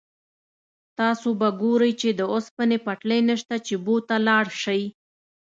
تاسو به ګورئ چې د اوسپنې پټلۍ نشته چې بو ته لاړ شئ.